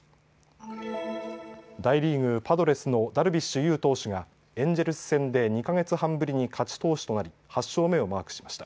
大リーグ、パドレスのダルビッシュ有投手がエンジェルス戦で２か月半ぶりに勝ち投手となり８勝目をマークしました。